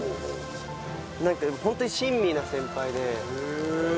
なんかでもホントに親身な先輩で。